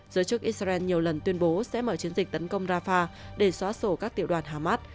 giới chức israel nhiều lần tuyên bố sẽ mở chiến dịch tấn công rafah để xóa sổ các tiểu đoàn hamas